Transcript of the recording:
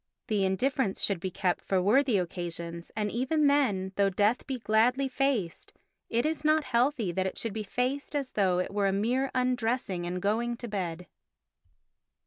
The indifference should be kept for worthy occasions, and even then, though death be gladly faced, it is not healthy that it should be faced as though it were a mere undressing and going to bed.